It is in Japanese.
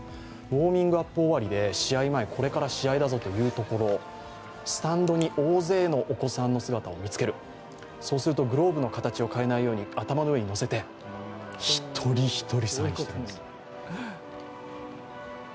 ウォーミッグアップ終わりでこれから試合だぞというところスタンドに大勢のお子さんの姿を見つける、そうするとグローブの形を変えないように頭の上に載せて、一人一人サインしているんです。